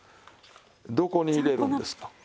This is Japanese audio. どこに入れるんですか？